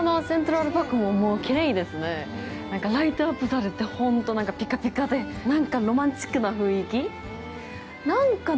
なんかライトアップされて、ほんとピカピカで、なんかロマンチックな雰囲気。